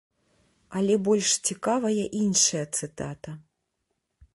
Але больш цікавая іншая цытата.